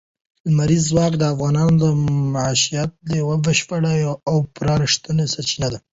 لمریز ځواک د افغانانو د معیشت یوه بنسټیزه او پوره رښتینې سرچینه ده.